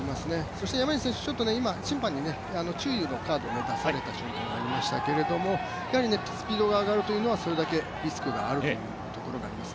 そして山西選手、審判に注意のカードを出された状況がありましたけどスピードが上がるというのはそれだけリスクが上がるということがあります。